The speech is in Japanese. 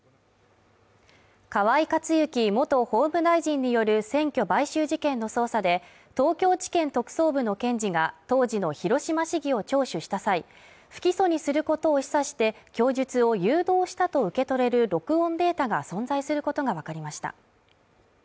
河井克行元法務大臣による選挙買収事件の捜査で、東京地検特捜部の検事が、当時の広島市議を聴取した際、不起訴にすることを示唆して供述を誘導したと受け取れる録音データが存在することがわかりました。